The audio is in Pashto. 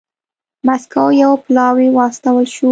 مسکو ته یو پلاوی واستول شو